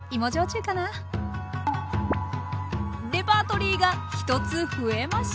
レパートリーが１つ増えました。